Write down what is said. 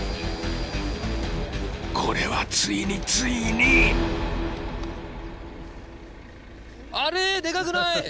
これはついについに⁉あれ⁉でかくない！